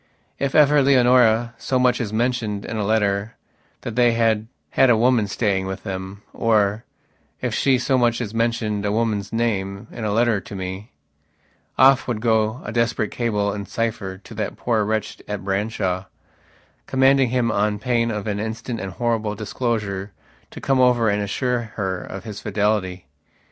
If ever Leonora so much as mentioned in a letter that they had had a woman staying with themor, if she so much as mentioned a woman's name in a letter to meoff would go a desperate cable in cipher to that poor wretch at Branshaw, commanding him on pain of an instant and horrible disclosure to come over and assure her of his fidelity.